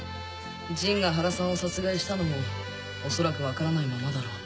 ジンが原さんを殺害したのも恐らく分からないままだろう。